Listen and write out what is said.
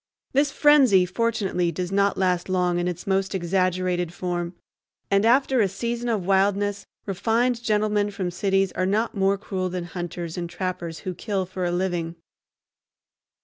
This frenzy, fortunately, does not last long in its most exaggerated form, and after a season of wildness refined gentlemen from cities are not more cruel than hunters and trappers who kill for a living.